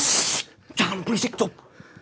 shhh jangan berisik cob